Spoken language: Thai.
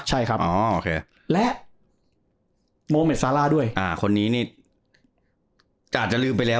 ใช่ครับและโมเมดซาร่าด้วยคนนี้นี่จะอาจจะลืมไปแล้ว